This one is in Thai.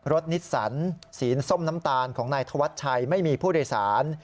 นิสสันสีส้มน้ำตาลของนายธวัชชัยไม่มีผู้โดยสาร